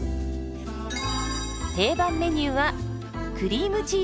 定番メニューはクリームチーズサーモン。